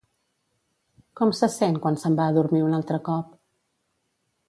Com se sent quan se'n va a dormir un altre cop?